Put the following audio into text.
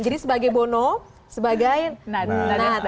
jadi sebagai bono sebagai nadia